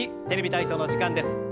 「テレビ体操」の時間です。